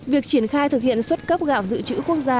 việc triển khai thực hiện xuất cấp gạo dự trữ quốc gia